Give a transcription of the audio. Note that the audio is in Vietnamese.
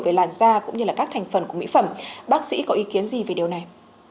về làn da cũng như là các thành phần của mỹ phẩm bác sĩ có ý kiến gì về điều này